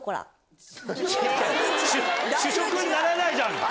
主食にならないじゃんか。